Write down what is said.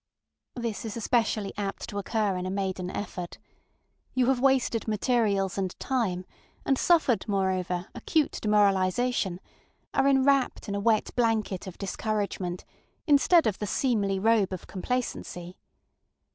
This is especially apt to occur in a maiden effort. You have wasted materials and time, and suffered, moreover, acute demoralizationŌĆöare enwrapped in a wet blanket of discouragement, instead of the seemly robe of complacency.